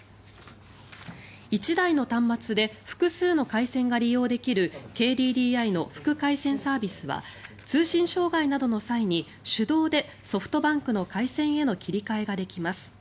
１台の端末で複数の回線が利用できるＫＤＤＩの副回線サービスは通信障害などの際に手動でソフトバンクの回線への切り替えができます。